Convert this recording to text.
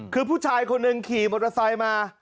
คือผู้ชายคนหนึ่งขี่มอเตอร์ไซค์มา